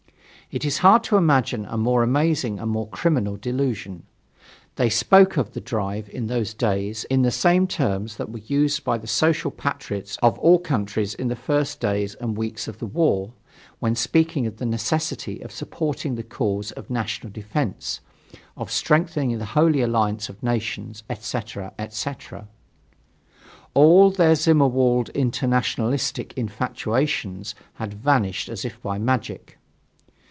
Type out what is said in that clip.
It is hard to imagine a more amazing and more criminal delusion. They spoke of the drive in those days in the same terms that were used by the social patriots of all countries in the first days and weeks of the war, when speaking of the necessity of supporting the cause of national defence, of strengthening the holy alliance of nations, etc., etc. All their Zimmerwald internationalistic infatuations had vanished as if by magic.